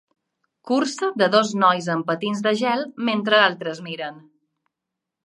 Cursa de dos nois en patins de gel mentre altres miren.